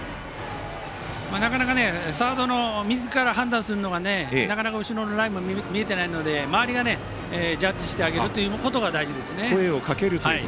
なかなかサードみずから判断するのは後ろのラインも見えていないので周りがジャッジしてあげるということが大事ですね。